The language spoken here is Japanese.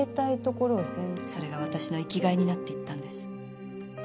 それが私の生きがいになっていったんです。